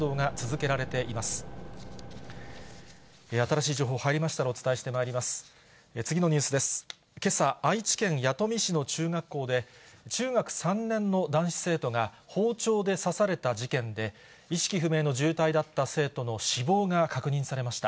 けさ、愛知県弥富市の中学校で、中学３年の男子生徒が包丁で刺された事件で、意識不明の重体だった生徒の死亡が確認されました。